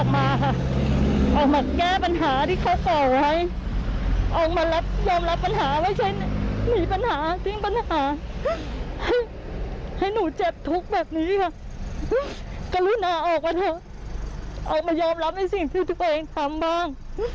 กรุณาออกมาเถอะออกมายอมรับในสิ่งที่ตัวเองทำบ้าง